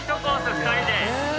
２人で。